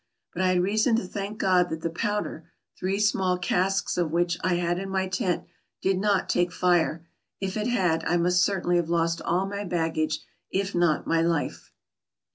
But I had reason to thank God that the powder, three small casks of which I had in my tent, did not take fire; if it had, I must certainly have lost all my baggage, if not my life.